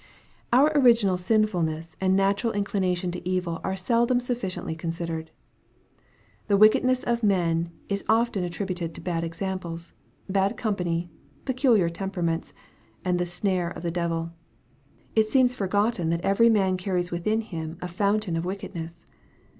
Our original sinfulness and nalural inclination to evil are seldom sufficiently considered. The wickedness of men is often attributed to bad exam ples, bad company, peculiar temptations, or the snares of the devil. It seems forgotten that every man carries within him a fountain of wickedness.